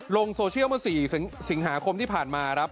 ลงโซเชียลเมื่อ๔สิงหาคมที่ผ่านมาครับ